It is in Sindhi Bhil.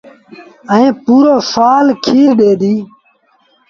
ائيٚݩ پورو سآل کير ڏي ديٚ۔